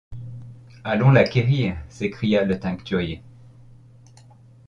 Allons la quérir, s’escria le taincturier. ..